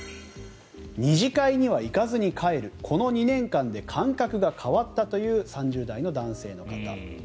２次会には行かずに帰るこの２年間で感覚が変わったという３０代の男性の方。